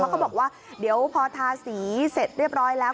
เขาบอกว่าเดี๋ยวพอทาสีเสร็จเรียบร้อยแล้ว